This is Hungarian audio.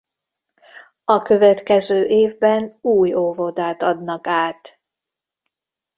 A következő évben új óvodát adnak át.